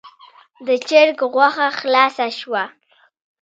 د چرګ غوښه خلاصه شوه.